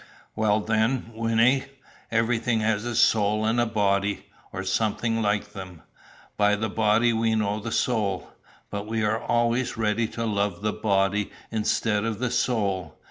"Well, then, Wynnie; everything has a soul and a body, or something like them. By the body we know the soul. But we are always ready to love the body instead of the soul.